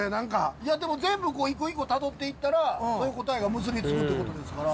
いやでも全部こう一個一個たどっていったらその答えが結び付くってことですから。